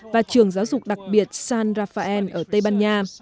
và trường giáo dục đặc biệt san rafael ở tây ban nha